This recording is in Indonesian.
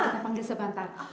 kita panggil sebentar